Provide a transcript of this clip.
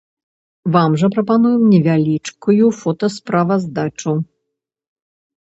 Вам жа прапануем невялічкую фотасправаздачу.